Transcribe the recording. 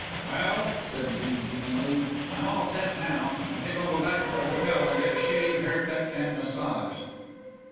"Well," said Dean genially, "I'm all set now. Think I'll go back to the hotel and get a shave, haircut, and massage."